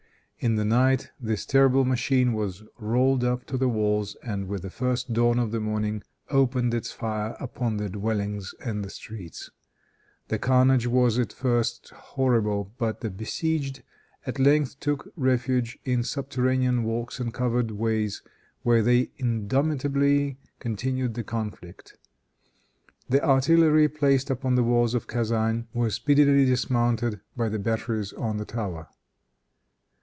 In the night this terrible machine was rolled up to the walls, and with the first dawn of the morning opened its fire upon the dwellings and the streets. The carnage was at first horrible, but the besieged at length took refuge in subterranean walks and covered ways, where they indomitably continued the conflict. The artillery, placed upon the walls of Kezan, were speedily dismounted by the batteries on the tower.